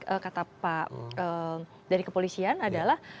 yang kata pak dari kepolisian adalah